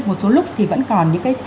một số lúc thì vẫn còn những cái